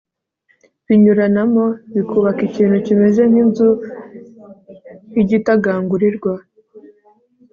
binyuranamo bikubaka ikintu kimeze nk'inzu y'igitagangurirwa